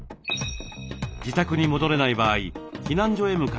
自宅に戻れない場合避難所へ向かいます。